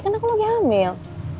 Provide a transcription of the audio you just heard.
kan aku lagi hamil